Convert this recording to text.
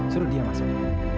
suruh dia masuk